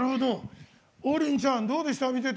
王林ちゃん、どうでした見ていて。